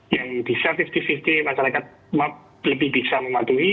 yang bisa lima puluh lima puluh masyarakat lebih bisa mematuhi